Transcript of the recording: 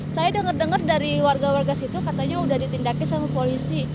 saya dengar dengar dari warga warga situ katanya sudah ditindakkan oleh polisi